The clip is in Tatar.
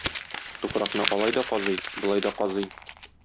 Туфракны алай да казый, болай да казый.